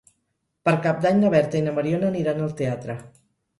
Per Cap d'Any na Berta i na Mariona aniran al teatre.